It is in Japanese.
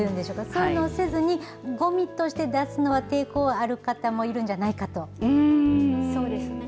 そういうのをせずに、ごみとして出すのは、抵抗ある方もいるんじそうですね。